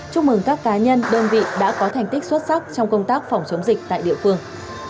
chúc mừng các cá nhân đơn vị đã có thành tích xuất sắc trong công tác phòng chống dịch tại địa phương